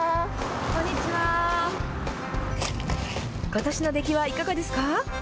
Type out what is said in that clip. ことしの出来はいかがですか。